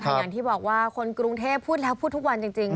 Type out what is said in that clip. อย่างที่บอกว่าคนกรุงเทพพูดแล้วพูดทุกวันจริง